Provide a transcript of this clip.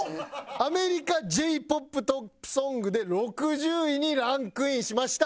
アメリカＪ−ＰＯＰトップソングで６０位にランクインしました！